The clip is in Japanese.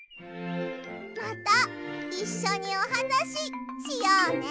またいっしょにおはなししようね。